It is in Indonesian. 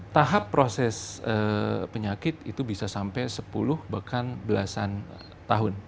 tahap proses penyakit itu bisa sampai sepuluh bahkan belasan tahun